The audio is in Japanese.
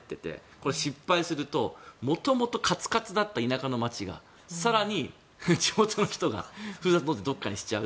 これ、失敗すると元々かつかつだった田舎の町が更に地元の人がふるさと納税をどっかにしちゃう。